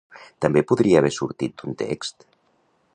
També podria haver sortit d'un text?